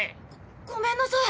ごめんなさい。